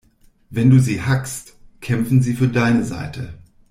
Wenn du sie hackst, kämpfen sie für deine Seite.